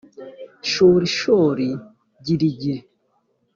shorishori girigiri